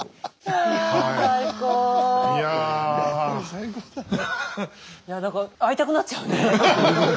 いや何か会いたくなっちゃうね。